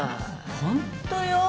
ホントよ。